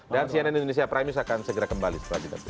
dan cnn indonesia primus akan segera kembali setelah kita berbicara